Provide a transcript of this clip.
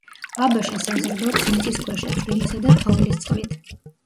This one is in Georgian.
აბაშა საზრდოობს მიწისქვეშა, წვიმისა და თოვლის წყლით.